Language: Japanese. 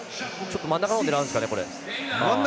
真ん中の方、狙うんですかね。